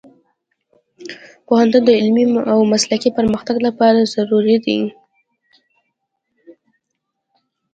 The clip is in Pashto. پوهنتون د علمي او مسلکي پرمختګ لپاره ضروري دی.